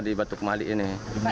di batu kemali ini